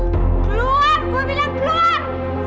keluar gue bilang keluar